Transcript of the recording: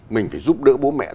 mình phải giúp đỡ bố mẹ